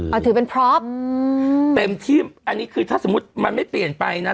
เอาถือเป็นพร้อมเต็มที่อันนี้คือถ้าสมมุติมันไม่เปลี่ยนไปนะ